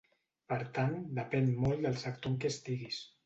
Per tant, depèn molt del sector en què estiguis.